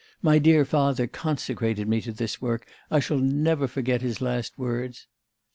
My dear father consecrated me to this work... I shall never forget his last words.